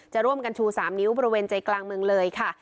จะร่วมกันชู๓นิ้วบริเวณใจกลางเมืองเลยค่ะ